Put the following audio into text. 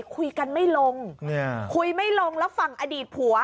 คุยกันไม่ลงคุยไม่ลงแล้วฝั่งอดีตผัว